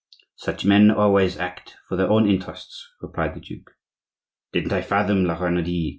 "Such men always act for their own interests," replied the duke. "Didn't I fathom La Renaudie?